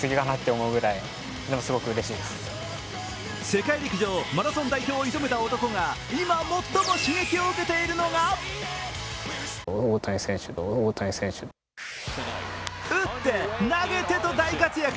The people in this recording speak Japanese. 世界陸上マラソン代表を射止めた男が今、最も刺激を受けているのが打って、投げてと大活躍。